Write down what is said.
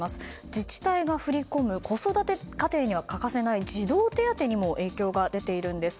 自治体が振り込む子育て家庭には欠かせない児童手当にも影響が出ているんです。